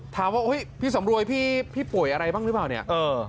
ถามว่าพี่สำรวยพี่ป่วยอะไรบ้างหรือเปล่าเนี่ย